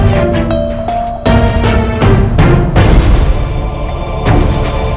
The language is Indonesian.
setelah aku mendapatkanmu